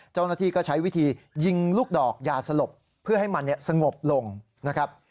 เจ้าหน้าที่ก็ใช้วิธียิงลูกดอกยาสลบเพื่อให้มันสงบลงนะครับ